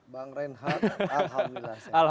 bang reinhardt alhamdulillah